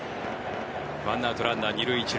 １アウト、ランナー２塁１塁。